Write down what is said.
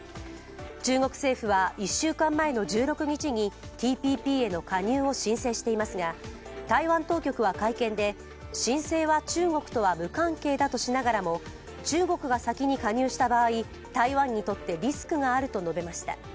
中国政府は１週間前の１６日にＴＰＰへの加入を申請していますが、台湾当局は会見で、申請は中国とは無関係だとしながらも中国が先に加入した場合、台湾にとってリスクがあると述べました。